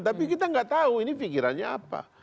tapi kita nggak tahu ini pikirannya apa